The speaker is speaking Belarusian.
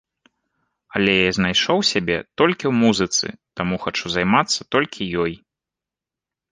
Але я знайшоў сябе толькі ў музыцы, таму хачу займацца толькі ёй.